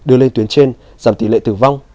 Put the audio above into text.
đưa lên tuyến trên giảm tỷ lệ tử vong